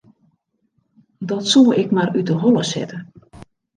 Dat soe ik mar út 'e holle sette.